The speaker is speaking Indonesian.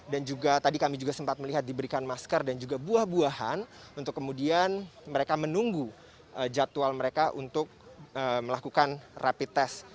dan juga tadi kami juga sempat melihat diberikan masker dan juga buah buahan untuk kemudian mereka menunggu jadwal mereka untuk melakukan rapi tes